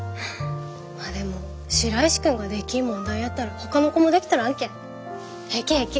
まあでも白石君ができん問題やったらほかの子もできとらんけん平気平気。